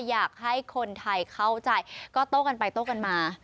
อยากให้คนไทยเข้าใจก็โต้กันไปโต้กันมา